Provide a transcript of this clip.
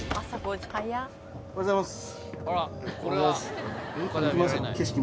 おはようございます。